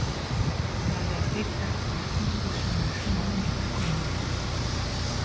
La date exacte de la construction du chemin n'est pas connue.